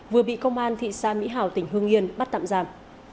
vừa bị công an thị san mỹ hảo tỉnh hương yên bắt tạm giảm